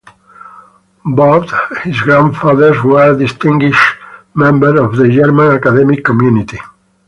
Both his grandfathers were distinguished members of the German academic community.